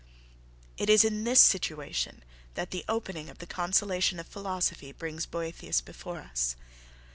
It is in this situation that the opening of the 'Consolation of Philosophy' brings Boethius before us.